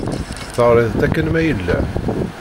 Teɣṛiḍ-t akken ma yella?